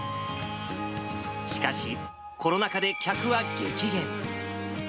しかし、コロナ禍で客は激減。